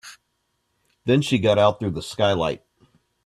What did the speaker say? Then she got out through the skylight.